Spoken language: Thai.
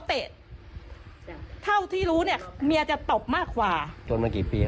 ก็เริ่มจนเจอเมียไม่ดี